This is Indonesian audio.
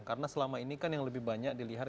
karena selama ini kan yang lebih banyak dilihat